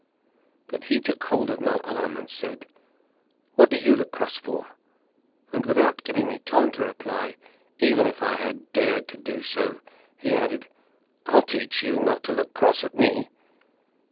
But he took hold of my arm and said, "What do you look so cross for?" And without giving me time to reply, even if I had dared to do so, he added, "I'll teach you not to look cross at me."